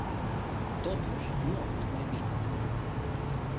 Totuși, nu a fost mai bine.